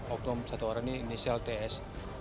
oknum satu orang ini inisial ts